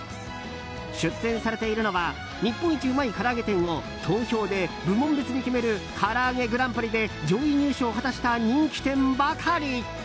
出店されているのは日本一うまいからあげ店を投票で部門別に決めるからあげグランプリで上位入賞を果たした人気店ばかり。